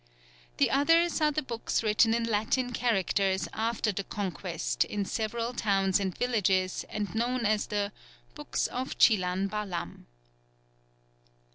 The others are the books written in Latin characters after the Conquest in several towns and villages and known as the "Books of Chilan Balam."